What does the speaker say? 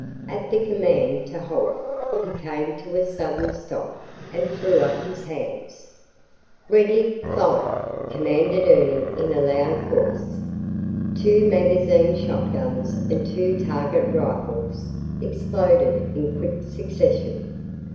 At the command to halt he came to a sudden stop and threw up his hands. "Ready! Fire!" commanded Ernie in a loud voice. Two magazine shotguns and two target rifles exploded in quick succession.